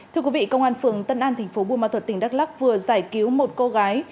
thưa quý vị công an phường tân an thành phố buôn ma thuật tỉnh đắk lắc vừa giải cứu một cô gái